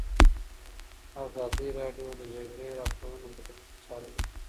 ازادي راډیو د د جګړې راپورونه بدلونونه څارلي.